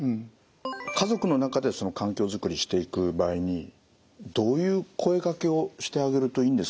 家族の中でその環境づくりしていく場合にどういう声かけをしてあげるといいんですかね？